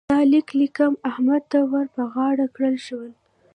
د ليک لیکل احمد ته ور پر غاړه کړل شول.